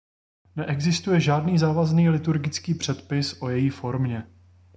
Neexistuje žádný závazný liturgický předpis o její formě.